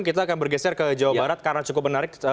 kita akan bergeser ke jawa barat karena cukup menarik